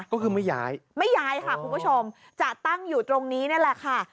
ก็คือไม่ย้ายไม่ย้ายค่ะคุณผู้ชมจะตั้งอยู่ตรงนี้นี่แหละค่ะ